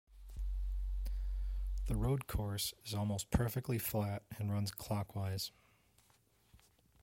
The road course is almost perfectly flat and runs clockwise.